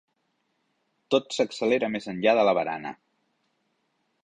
Tot s'accelera més enllà de la barana.